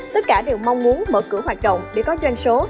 tất cả đều mong muốn mở cửa hoạt động để có doanh số